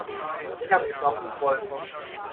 Ich habe die Schnauze voll.